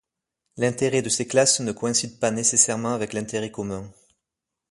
L’intérêt de ces classes ne coïncide pas nécessairement avec l’intérêt commun.